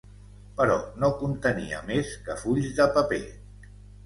Però no contenia més que fulls de paper.